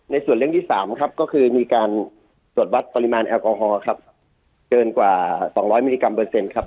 ส่วนเรื่องที่๓ครับก็คือมีการตรวจวัดปริมาณแอลกอฮอล์ครับเกินกว่า๒๐๐มิลลิกรัมเปอร์เซ็นต์ครับ